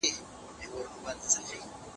زه به سبا بازار ته ځم وم،